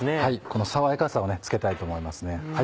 この爽やかさをつけたいと思いますね。